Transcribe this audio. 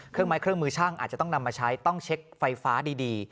ไม้เครื่องมือช่างอาจจะต้องนำมาใช้ต้องเช็คไฟฟ้าดี